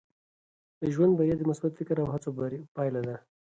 د ژوند بریا د مثبت فکر او هڅو پایله ده.